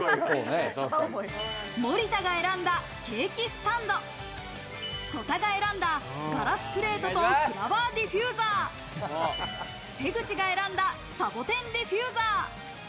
森田が選んだケーキスタンド、曽田が選んだガラスプレートとフラワーディフューザー、瀬口が選んだサボテンディフューザー。